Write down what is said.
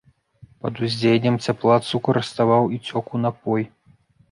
Пад уздзеяннем цяпла, цукар раставаў і цёк у напой.